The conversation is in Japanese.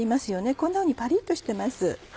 こんなふうにパリっとしてます。